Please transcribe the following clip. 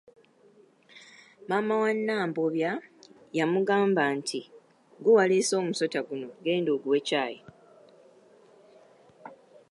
Maama wa Nambobya yamugamba nti ggwe waleese omusota guno, genda oguwe caayi.